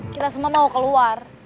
kita semua mau keluar